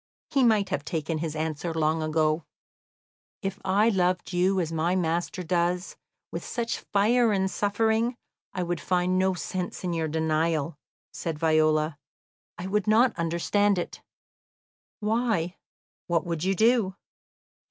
He might have taken his answer long ago. "If I loved you as my master does, with such fire and suffering, I would find no sense in your denial," said Viola. "I would not understand it." "Why, what would you do?"